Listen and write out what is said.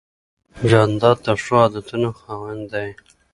جانداد د ښو عادتونو خاوند دی.